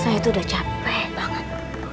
saya itu udah capek banget